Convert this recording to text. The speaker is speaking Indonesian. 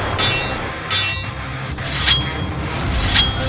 rayus rayus sensa pergi